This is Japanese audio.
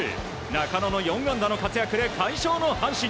中野の４安打の活躍で快勝の阪神。